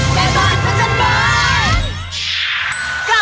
เม่บ้านขุนเจ็ดไป